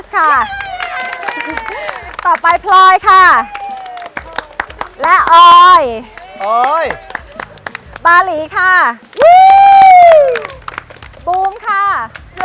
ค่ะต่อไปค่ะและอ๋อยอ๋อยบารีค่ะฮู้ฮู้ค่ะ